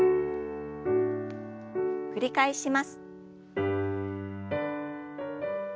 繰り返します。